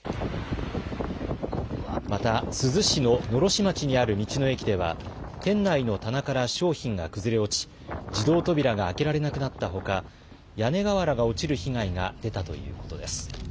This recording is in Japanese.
また珠洲市の狼煙町にある道の駅では、店内の棚から商品が崩れ落ち、自動扉が開けられなくなったほか、屋根瓦が落ちる被害が出たということです。